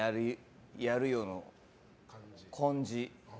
やるよ！の感じ。